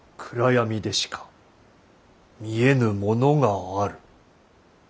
「暗闇でしか見えぬものがある。